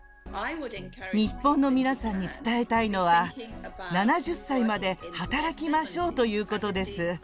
日本の皆さんに伝えたいのは、７０歳まで働きましょうということです。